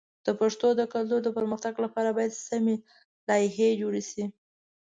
د پښتو د کلتور د پرمختګ لپاره باید سمی لایحې جوړ شي.